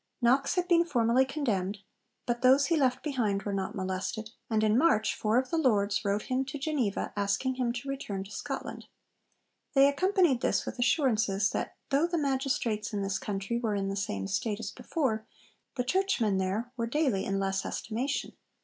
Knox had been formally condemned, but those he left behind were not molested, and in March four of the Lords wrote him to Geneva asking him to return to Scotland. They accompanied this with assurances that though 'the Magistrates in this country' were in the same state as before, the Churchmen there were daily in less estimation.